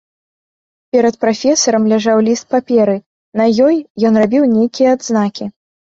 Перад прафесарам ляжаў ліст паперы, на ёй ён рабіў нейкія адзнакі.